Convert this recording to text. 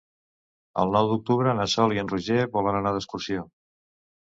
El nou d'octubre na Sol i en Roger volen anar d'excursió.